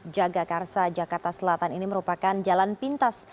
jagakarsa jakarta selatan ini merupakan jalan pintas